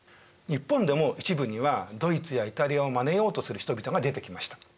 日本でも一部にはドイツやイタリアをまねようとする人々が出てきました。